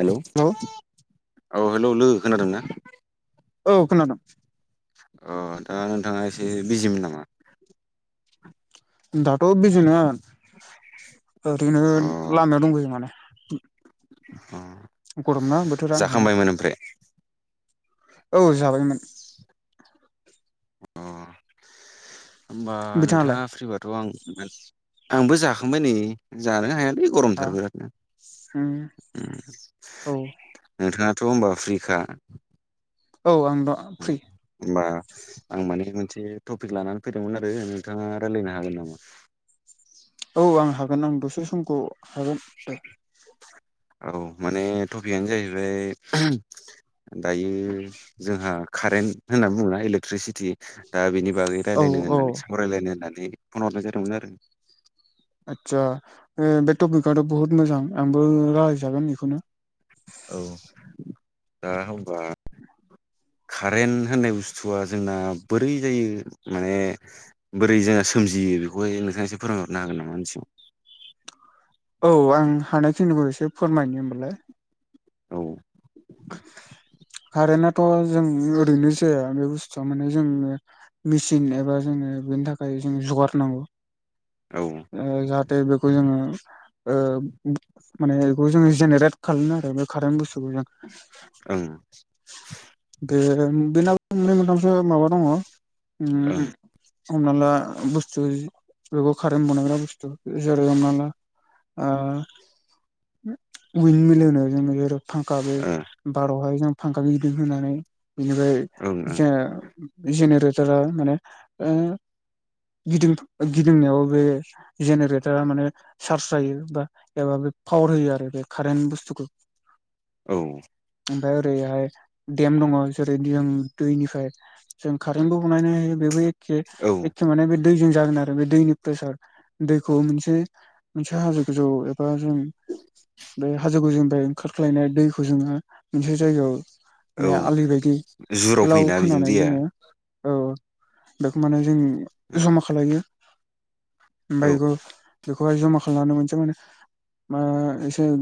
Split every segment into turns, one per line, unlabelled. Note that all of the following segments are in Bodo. हेलौ औ
हेल'
हेलौ हेलौ लोगो खोनादोंना?
औ खोनादों
अ दा नोंथाङा एसे बिजिमोन नामा?
दाथ' बिजि नङा। ओरैनो
अ
लामायाव दंफैयो माने।
अ
गरमना बोथोरा ओंखायनो
जाखांबायमोन ओमफ्राय
औ जाबायमोन।
अ होमबा
बिथाङालाय
नोंथाङा फ्रिबाथ' आं आंबो जाखांबाय नै जानो हाया
आ
गरमथार बिरादनो उम
औ
नोंथाङा नोंथाङा होमबा फ्रिखा
औ आं दा फ्रि
होमबा। आं माने मोनसे टपिक लानानै फैदोंमोन आरो नोंथाङा रायलायनो हागोन नामा?
औ आं हागोन आं दसे समखौ हागोन दे।
औ माने टपिकआनो जाहैबाय दायो जोंहा कारेन्ट होननानै बुंङो ना इलेक्ट्रिसिटि दा बेनि बागै
औ
रायलायनो
औ
होननानै सावरायलायनो होननानै फन हरनाय जादोंमोन आरो
आदसा बे टपिकआथ' बुहुद मोजां आंबो राहायजागोन बेखौनो
औ दा होमबा कारेनेट होननाय बुस्थुआ जोंना बोरै जायो माने बोरै जों जोंहा सोमजियो। बेखौहाय नोंथाङा एसे फोरमायहरनो हागोन नामा एसे [inaudible]
औ आं हानायखिनिखौ एसे फोरमायनो होमबालाय
औ
कारेन्टआथ' जों ओरैनो जाया बे बुस्थुआ माने जों मेचिन एबा जोङो बेनि थाखाय जों जगारनांगौ
औ
जाहाथे बेखौ जोङो ओ माने बेखौ जोङो जेनेरेट खालामनो आरो बे कारेन्ट बुस्थुखौ जों
ओं ओं
बिनाव मोनै मोनथामसो माबा दंङ
ओ
उम हमना ला बुस्थु बेखौ कारेन्ट बानायग्रा बुस्थु जेरै हमना ला ओ उइन मिल होनायाव जोङो जेराव थ [inaudible] गाबै बारावहाय जों फांखा गिदिं होनानै बेनिफ्राय
ओं
जों जेनेरेटारा माने गिदि गिदिंनायाव बे जेनेरेटारा माने चार्ज जायो बा एबा बे पावार होयो आरो बे कारेन्ट बुस्तुखौ
औ
ओमफ्राय ओरैहाय देम दङ जेरै जों दैनिफ्राय जों कारेन्टबो बनायनो हायो
औ
एखे माने बे दैजों जागोन आरो बे दैनि प्रेसार दैखौ मोनसे मोनसे हाजो गोजौ एबा बे हाजो गोजौनिफ्राय ओंखारख्लायनाय दैखौ जोङो मोनसे जायगायाव
औ
माने आलि बायदि
जुराव
गोलाव
फैयोना बेजों
खोनानै
दैया
जोङो औ बेखौ माने जों जमा खालायो।
औ
ओमफ्राय बेखौ बे [unintelligible]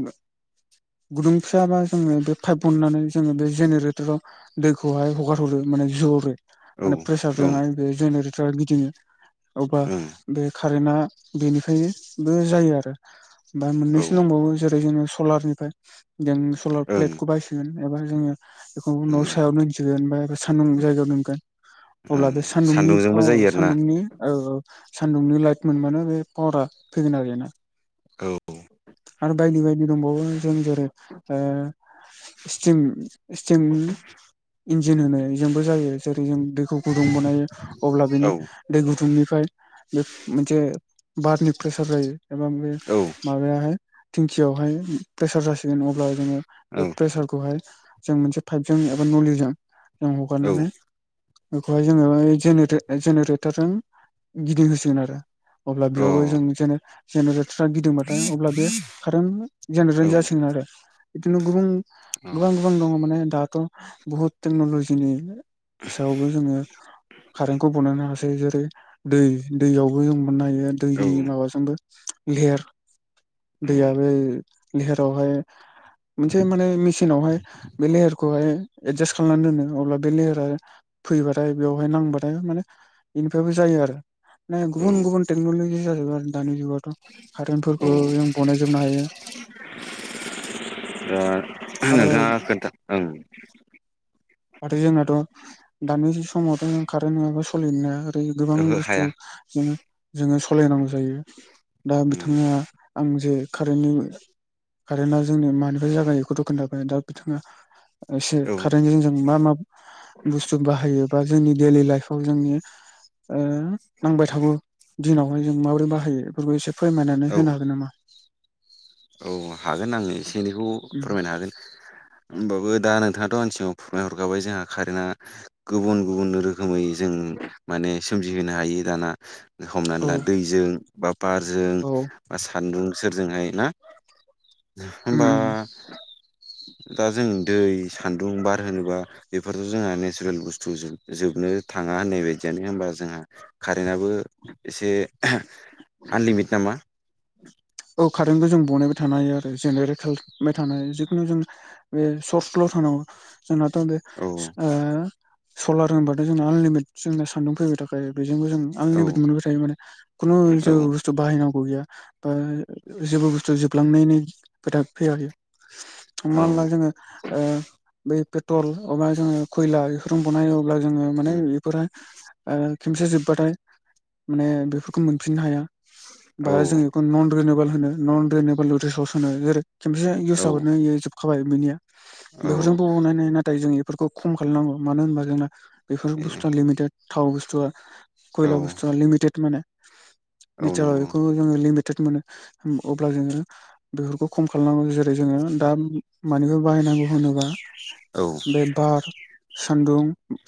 गुदुं फिसाबा जोङो बे पाइप बननानै जोङो बे जेनेरेटराव दैखौहाय हगारहरो माने जो मान
ओं
प्रेसारजों
ओं
बे जेनेरेटर गिदिङो अबा बे कारेन्टआ बेनिफ्रायबो जायो आरो ओमफ्राय
औ
मोननैसो
ओं
दंबावो जेरै जोङो सलारनिफ्राय जों सलार
ओं
प्लेटखौ बायसिगोन एबा जोङो बेखौ उनाव [unintelligible] सान्दुं जायगायाव दोनगोन। अब्ला
ओं
बे सान्दुंनि
सान्दुंजोंबो जायो आरोना
सान्दुंनि औ-औ सानदुंनि लाइट मोनबानो बे पावारा फैगोन आरो बिनाव
औ।
बायदि बायदि दंबावो जों जेरैं ओ [unintelligible] इन्जिन होनो बेजोंबो जायो जेरै जों दैखौ गुदुं बानायो अब्ला
औ
बेनि दै गुदुंनिफ्राय मोनसे बारनि प्रेसार जायो एबा बे माबायाहाय थिंखियावहाय प्रेसार जासिगोन अब्ला जोङो
औ
बे
अ
प्रेसारखौहाय जों मोनसे फाइभजों एबा नलिजों जों
औ
हगारनानै बेखौहाय जोङो जेनेरेटरजों गिदिंहोसिगोन आरो। अब्ला
औ
बेयावबो जों जेनेरेटर्रा गिदिंबाथाय अब्ला बे कारेन्ट जासिगोन आरो बिदिु गुबु गोबां गोबां दङ माने दाथ' बुहुत टेक्न'लजिनि सायावबो जोङो कारेन्टखौ बनायनो हासै जेरै दै दैयावबो जों मोननो हायो दैनि माबाजोंबो लेर दैयाव बे लेहेरावहाय मोनसे माने मेचिनावहाय बे लेहारखौहाय एदजास्ट खालामनानै दोनो अब्ला बे लेहेरा फैबाथाय बेवहाय नांबाथाय माने इनिफायबो जायो ए
औ
गुबुन गुबुन टेकनलजि जाजोब्बाय दानि जुगावथ'
औ
कारेन्टफोरखौ जों बनायजोबनो हायो
दा हो
आरो
नोंथाङा खोन्था ओं
आरो जोंनाथ' दानि समावथ' जों कारेन्ट नङाबा सोलिनो हाया ायो गोबां
ओहो
बुस्थु
हाया
जोङो जोङो सालायनांगौ जायो दा
उम
बिथाङा आं जे कारेन्टनि कारेन्टा जोंनि मानिफ्राय जागायोखौ बेखौथ' खोनथा दा बिथाङा एसे
औ
खारेन्जों जों मा मा बुस्थु बाहायोबा जोंनि डेलि लाइफआव जोंनि ओ नांबाय थागौ दिनावहाय जों माबोरै बाहायो बेफोरखौ एसे फोरमायनानै
औ
होनो हागोन नामा?
बिनिखौ
उम
फोरमायनो हागोन होमबावो दा नोंथाङाथ' आं सिव फुरमाय हरखाबाय जोंहा कारेन्टआ गुबुन गुबुन रोखोमै जों माने सोमजिहोनो हायो दाना हमनानै
औ
ला दैजों बा बारजों
औ
बा सान्दुं सोरजोंहाय ना
उम
होमबा
उम
दा जों दै सान्दुं बार होनोबा बेफोरथ' जोंहा नेचारेल बुस्थु जो जोबो नो थाङा होननाय बायदियानो होमबा जोंहा कारेन्टआबो एसे आनलिमित नामा?
औ खारेन्टखौ जों बनायबाय थाना हायो आरो जेनेरिक हेल थानाय जिखुनु जों बे सर्सल' थानांगौ जोंनाथ' बे
औ
ओ सलार होनबाथाय' जोंना आनलिमिटे जोंना सान्दुं फैबाय थाखायो जेंबो जों आनलिमिद
औ
नुनोबाय थायो माने खुनु जे
औ
बुस्थु बाहायनांगौ गैया बा जेबो बुस्थु जोबलांनायनि खोथा फैयाबेआव
औ
माला जोङो ओ बै पेट्रल अमा जोङो खैला बेफोरजों बनायोब्ला जोङो माने
उम
बेफोरहाय आर खेमसेया जोब्बाथाय माने बेफोरखौ मोनफिननो हाया।
औ
बाहाय जों बेखौ नन रेनेबोल होनो नन रेनेबोल रिसर्स होनो जेरै खेमसे इउस जाबानो यो जोबखाबाय बिनिया
औ
बेखौजोंबु अनाय नाथाय जों बेफोरखौ खम खालामना षए अ मानो होनबा जोंना बेफोर
ए
बुस्थुआ लिमिटेद थाव बस्थुआ
औ
खयला बुस्थु लिमिटेद माने
औ
नेचार आव
नंगौ
बेखौ जों लिमिटेड मोनो। उम अब्ला जोङो बेफोरखौ खम खालामनांगौ जेरै जोङो दा मानिखौ बाहायनांगौ होन नबा।
औ ‌
सान्दुं,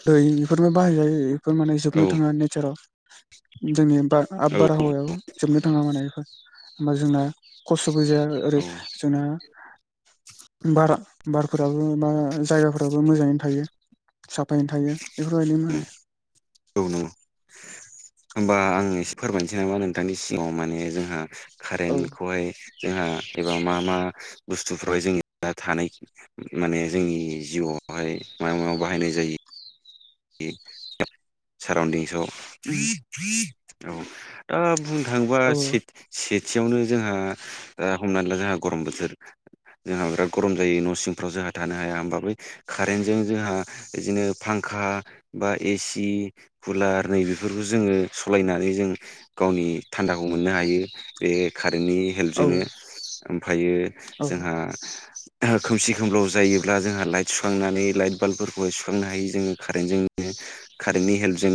दै बेफोरबो बाहायजायो बेफोर माने
औ
जोबनो
औ
थाङा नेचाराव जोंनि बा आब बारहावायाव जोबनो थाङा माने इफोर ओमफाय जोंना खस बुजाया ओरै जोंना
[inaudible]
बारा बारफोराबो बा जायगाफोराबो मोजाङैनो थायो। साफायैनो थायो बेफोरबायदि माने
औ नोंगौ। होमबा आं एसे फोरमायनोसै नामा नोंथांनि सिगाङाव माने जोंहा
औ
कारेन्टखौहाय जोंहा एबा मा मा बुस्थुफ्रावाय जों दा थानाय माने जोंनि जिउआव बहाय मायाव मायव बाहायनाय जायो [unintelligible] साराउन्दिंहसाव औ दा बुंनो थाङोबा
औ
से से थियावनो जोंहा ओ हमनानै ला जोंहा गरम बोथोर जोंहा बिराद गरम जायो न' सिंफ्राव जों ना थानो हाया होमबाबो कारेन्टजों जोंहा इदिनो फांखा बा एसि, कुलार नै बेफोरखौ जोङो स'लायनानै जों गावनि थान खौ मोननो हायो बे का नि
औ
हेल्पजोंनो ओमफ्रायो
औ
जोंहा ओ खोमसि खोमलाव जायोब्ला जोंहा लाइट सुखांनानै लाइट बाल्बफोरखौहाय सुखांनो हायो जोङो। कारेन्टजों कारेन्टनि हेल्प जोङो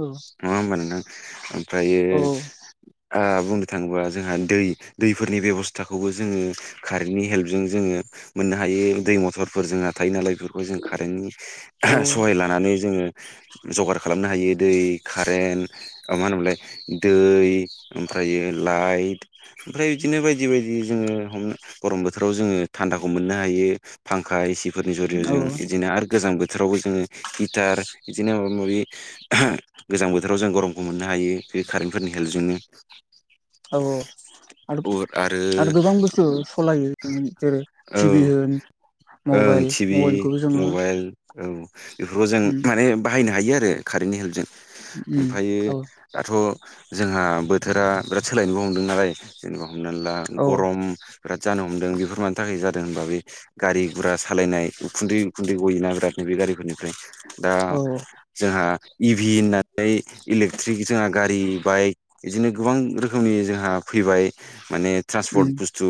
औ
होमबान नोंथां ओमफ्रयो ओ बुंनो थाङोबा जोंहा दै दैफोरनि बेब'स्थाखौबो जोङो कारेन्टनि हेल्पजों जोङो मोननो हायो दै मथरफोर जोंहा थायो नालाय बेफोरखौ जों कारेन्टनि
औ
सहाय लानानै जोङो जगार खालामनो हायो दै कारेन्ट मा होनोमोनलाय दै ओमफ्राय जायो लाइट ओमफ्राय बिदिनो बायदि बायदि जोङो हमनो गरम बोथोराव जोङो थान्दाखौ मोननो हायो फांखा एसिफोरनि जरि' जों
औ
बिदिनो आरो गोजां बोथोरावबो जोङो हिटार बिदिनो माबा माबि गोजां बोथोराव जों गरमखौ मोननो हायो बे कार फोरनि हेल्पजोंनो।
औ-औ। आरो आरो गोबां बुस्थु सलायो जेरै
औ
टिभि होन
ओं
मबाइल
टिभि
मबाइलखौबो जोङो
मबाइल औ बेफोरखौ जों
उम
माने बाहायनो हायो आरो कारेन्टनि हेल्पजों।
उम
ओमफ्रायो
औ
दाथ' जोंहा बोथोरा बिराद सोलायनोबो हमदों नालाय जेनेबा हमना ला
औ
गरम बिराद जानो हमदों बेफोर मानि थाखाय जादों। होनबा बे गारि गुरा सालायनाय उखुन्दै उखुन्दै गयोना बिरादनो बे गारिफोरनिफ्राय। दा
औ
जोंहा इभि होननानै इलेकट्रिक जोंहा गारि बाइक बिदिनो गोबां रोखोमनि जोंहा फै ओफ्राय माने ट्रान्सफर
उम
बुसथु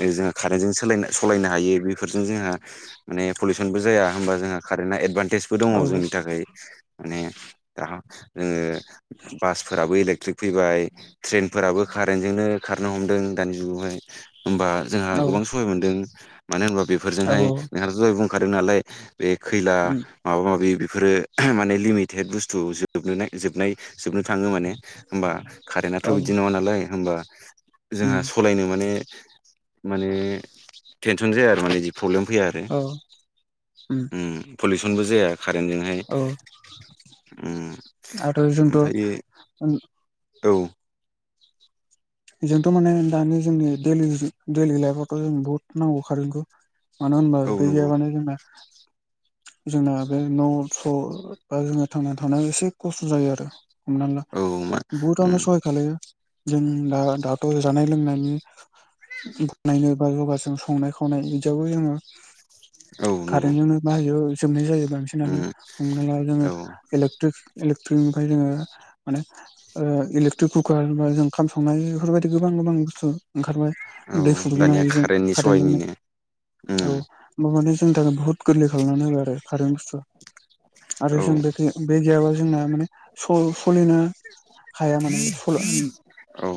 जोंहा कारेनजों सलायनो हायो बेफोरजों जोंहा माने पलिउसनबो जाया होमबा जोंहा कारेन्टआ एदभान्टेजबो दङ
औ
जोंनि थाखाय। माने दा ओ जोङो बासफोराबो इलेक्ट्रिक फैबाय ट्रेनफोराबो कारेन्टजोंनो खारनो हमदों दानि जुगावहाय। होमबा जोंहा
औ
गोबां सहाय मोनदों मानो होनबा बेफोरजोंहाय
औ
नोंहाथ' दहाय बुंखादों नालाय। बे खैला
उम
माबा माबि बेफोरो माने लिमिटेद बुस्थु जोबनो जोबनाय जोबनो थाङो माने होमबा कारेन्टआथ'
औ
बिदि नङा नालाय होमबा
उम
जोंहा सलायनो माने माने टेनसन जाया आरो माने जि प्रब्लेम फैया आरो।
औ उम
ओम पलिउसनबो जाया। कारेन्टजोंहाय
औ
उम
आरो जोंथ'
ओमफ्रायो औ।
जोंथ' माने दानि जोंनि दैलि दैलि लाइफआवथ' जों बहुत नांगौ खारेन्टखौ। मानो होनबा
औ
बे
नंगौ
मानाय जोंना जोंना बे न' स' बा जोङो थांनानै थानायाव एसे खस्थ' जायो आरो। हमना ला
औ मा
बहुथावनो
उम
सहाय खालामो। जोंहा दाथ' जानाय लोंनायनि बानायनो बा जगाजों संनाय खावनाय बिदियावबो जोङो
औ नंगौ।
बिदिआव जोबनाय जायो बांसिनानो
उम
हमना ला जोङो
औ
एल्केट्रिक ट्रिनिफ्राय जोङो माने ओ इलेकट्रिक कुकार बा ओंखाम संनाय बेफोरबायदि गोबां गोबां बुस्थु ओंखारबाय
औ
दै फुदुंनो
दानिया
हायो जों
कारेन्टनि
कारेन्ट जोंनो
सहायनिनो
औ
उम
होमा माने जोंनि थाखाय बहुत गोरलै खालामनानै होबाय आरो कारेन्ट बुस्थुआ। आरो
औ
जों बे गैया बे गैयाबा जोंना माने सल सलिनो हाया माने
औ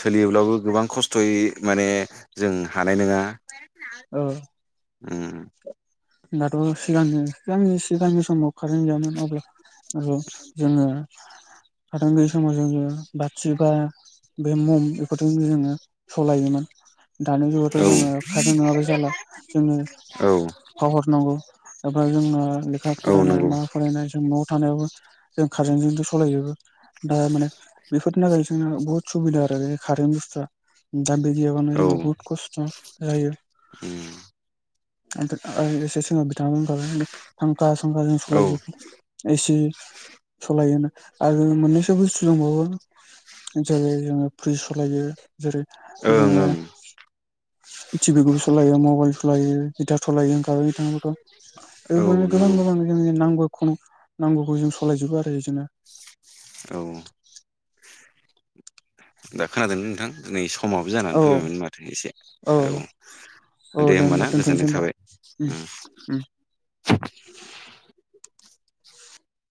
सोलियोब्लाबो गोबां खस्थ'यै माने जों हानाय नोङा।
ओ।
उम।
दाथ' सिगांनि सिगांनि सिगांनि समाव कारेन्ट गैयामोन आरो अब्ला जोङो कारेन्ट गैयि समाव जोङो बाथि बा बे मम बेफोरजोंनो जोङो सलायोमोन। दानि जुगावथ'
औ
जोङो कारेन्ट नङाबा जाला जोङो
औ
फावार नांगौ एबा जोंनो लेखा
औ
फरायनाय
नंगौ
मा फरायनाय जों न'आव थानायावबो जों कारेन्टजोंथ' सलायजोबो दा माने बेफोरनि थाखाय जोंनो बहुत सुबिदा आरो बे कारेन्ट बुस्थुआ दा बे गैयाबानो
औ
जोंना
उम
बुहुत खस्थ' जायो। आरो एसे सिनाव बिथ फांखा सांखा जों
औ ओं
सलायजोबो एसि सलायोना। आरो मोननैसो बुस्थु दंबावो जेरै जोङो प्रिश सलायो। जेरै जोङो
ओं
टि भिखौबो सलायो मबाइल सलायो हिटार सलायो होनखाबाय बिथांफोरखौ
औ
बेफोरनो गोबां
नंगौ
गोबां जोंनि नांगौ खुनु नांगौखौ जों सलायजोबो आरो एजोंनो।
औ। दा खोनादोंना नोंथां नै समाबो जानानै
औ
फैबायमोन माथो एसे
औ
औ।
औ
दे
होमबा
होमबाना
दोनथ'नोसै
गोजोननाय
होमबा
थाबाय उम।
उम